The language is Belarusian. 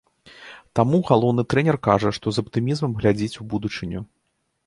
Таму галоўны трэнер кажа, што з аптымізмам глядзіць у будучыню.